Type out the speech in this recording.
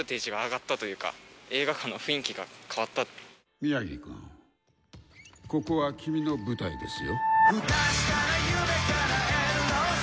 宮城君、ここは君の舞台ですよ。